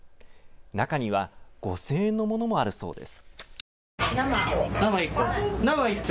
中には５０００円のものもあるそうです。